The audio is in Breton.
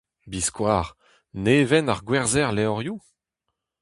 Biskoazh ! Neven, ar gwerzher levrioù ?